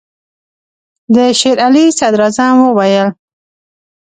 د شېر علي صدراعظم وویل.